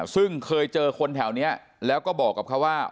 ซึ่งเคยเจอคนแถวนี้แล้วก็บอกกับเขาว่า